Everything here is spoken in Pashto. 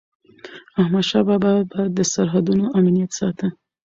احمدشاه بابا به د سرحدونو امنیت ساته.